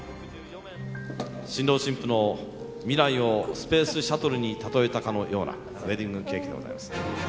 新郎新婦の未来をスペースシャトルに例えたかのようなウエディングケーキでございます。